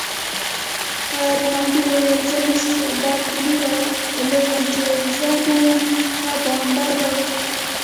رینالډي وویل: زه مس بارکلي رالېږم، چي زه نه یم، ښه بانډار به وکړئ.